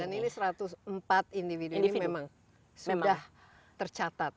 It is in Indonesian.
dan ini satu ratus empat individu ini memang sudah tercatat